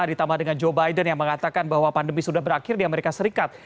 ditambah dengan joe biden yang mengatakan bahwa pandemi sudah berakhir di amerika serikat